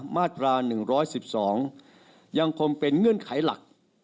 มาตรา๑๑๒ยังคงเป็นเงื่อนไขหลัก